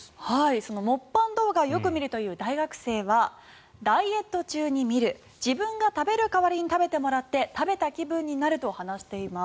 そのモッパン動画をよく見るという大学生はダイエット中に見る自分が食べる代わりに食べてもらって食べた気分になると話しています。